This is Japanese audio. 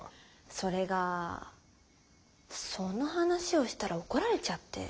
それがその話をしたら怒られちゃって。